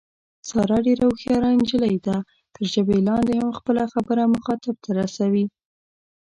ساره ډېره هوښیاره نجیلۍ ده، تر ژبه لاندې هم خپله خبره مخاطب ته رسوي.